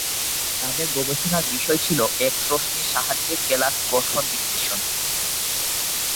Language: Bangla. তাদের গবেষণার বিষয় ছিল এক্স রশ্মির সাহায্যে কেলাস গঠন বিশ্লেষণ।